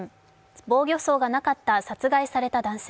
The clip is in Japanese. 防御創がなかった殺害された男性。